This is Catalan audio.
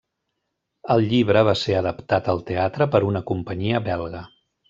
El llibre va ser adaptat al teatre per una companyia belga.